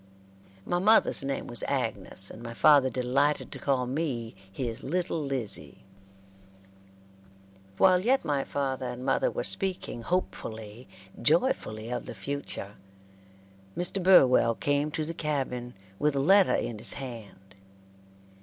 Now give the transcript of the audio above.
My mother's name was Agnes, and my father delighted to call me his "Little Lizzie." While yet my father and mother were speaking hopefully, joyfully of the future, Mr. Burwell came to the cabin, with a letter in his hand.